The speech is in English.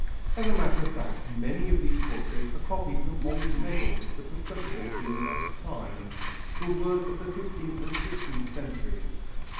As a matter of fact many of these portraits are copied from old medals that were circulating at the time, the work of the fifteenth and sixteenth centuries.